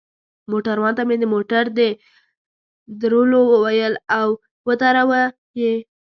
موټروان ته مې د موټر د درولو وویل، او ودروه يې.